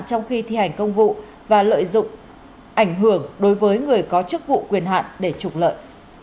trong khi thi hành công vụ và lợi dụng ảnh hưởng đối với người có chức vụ quyền hạn để trục lợi